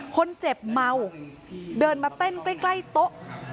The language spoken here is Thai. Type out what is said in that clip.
คนเจ็บเมาเดินมาเต้นใกล้โต๊ะ